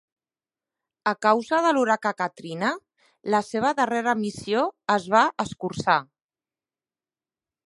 A causa de l'huracà Katrina, la seva darrera missió es va acurtar.